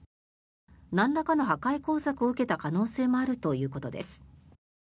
なんらかの破壊工作を受けた可能性もあるということです。